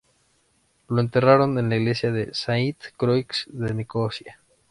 Lo enterraron en la iglesia de la Sainte Croix en Nicosia.